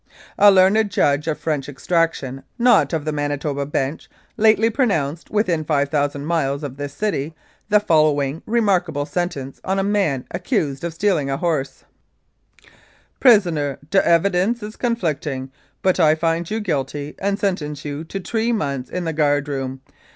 "A learned Judge of French extraction, not of the Mani toba bench, lately pronounced, within 5,000 miles of this city, the following remarkable sentence on a man accused of stealing a horse :"' Prisoner, de evidence is conflicting, but I find you guilty and sentence you to tree months in the guard room.